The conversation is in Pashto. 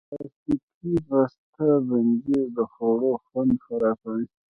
پلاستيکي بستهبندۍ د خوړو خوند خرابوي.